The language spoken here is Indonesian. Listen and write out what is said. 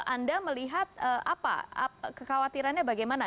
anda melihat apa kekhawatirannya bagaimana